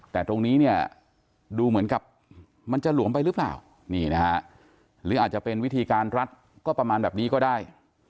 แต่ตรงนี้เนี่ยดูเหมือนกับมันจะหลวมไปหรือเปล่านี่นะฮะหรืออาจจะเป็นวิธีการรัดก็ประมาณแบบนี้ก็ได้